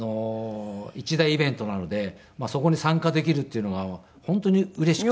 一大イベントなのでそこに参加できるっていうのが本当にうれしくて。